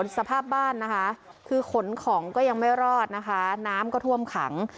สภาพบ้านนะคะคือขนของก็ยังไม่รอดนะคะน้ำก็ท่วมขัง